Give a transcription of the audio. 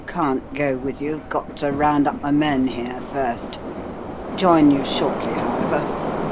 Can't go with you. Got to round up my men here, first. Join you shortly, however.